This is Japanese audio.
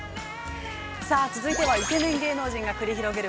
◆さあ、続いてはイケメン芸能人が繰り広げる